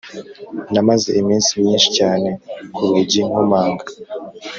Namaze iminsi myinshi cyane kurugi nkomanga